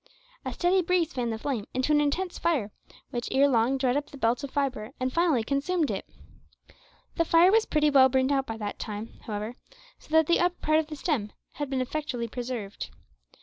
A steady breeze fanned the flame into an intense fire, which ere long dried up the belt of fibre and finally consumed it. The fire was pretty well burnt out by that time, however, so that the upper part of the stem had been effectually preserved.